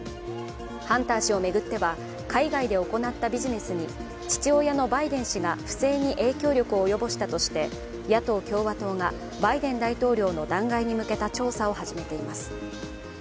ハンター氏を巡っては、海外で行ったビジネスに父親のバイデン氏が不正に影響力を及ばしたとして野党・共和党がバイデン大統領の弾劾に向けた調査を始めています。